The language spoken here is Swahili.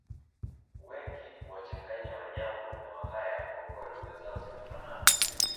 Wengi huwachanganya Wanyambo na wahaya kwa kuwa lugha zao zinafanana